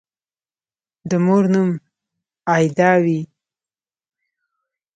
د مور نوم «آیدا» وي